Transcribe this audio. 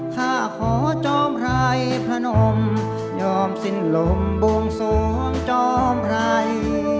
ข้าขอจอมไพรพระนมยอมสิ้นลมบวงสวงจอมใคร